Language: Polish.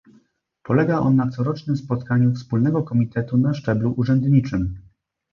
Polega on na corocznym spotkaniu wspólnego komitetu na szczeblu urzędniczym